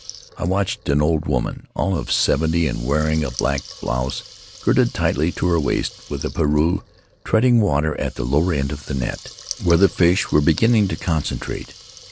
I watched an old woman, all of seventy and wearing a black blouse girded tightly to her waist with a paveii, treading water at the lower end of the net, where the fish were beginning to concentrate.